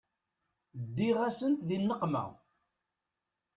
Ddiɣ-asent di nneqma.